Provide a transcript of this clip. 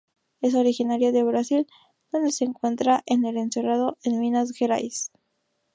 Es originaria de Brasil donde se encuentra en el Cerrado en Minas Gerais.